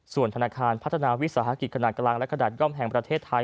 ส่วนธนาคารพัฒนาวิสาหกิจขนาดกลางและขนาดย่อมแห่งประเทศไทย